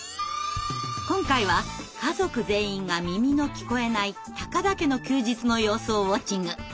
今回は家族全員が耳の聞こえない田家の休日の様子をウォッチング。